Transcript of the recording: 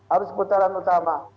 arus putaran utama